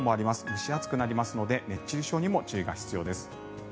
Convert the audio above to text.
蒸し暑くなりますので熱中症にも注意が必要です。